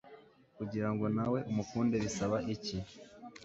kugirango nawe umukunde bisaba iki